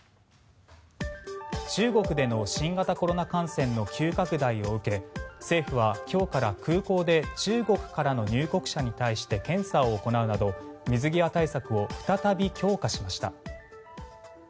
中国での新型コロナ感染の急拡大を受け政府は今日から空港で中国からの入国者に対して検査を行うなど水際対策を再び強化しました。